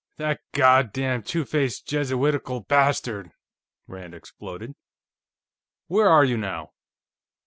"That God damned two faced Jesuitical bastard!" Rand exploded. "Where are you now?"